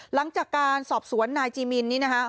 หลังจากการสอบสวนนายจีมินนี่นะคะ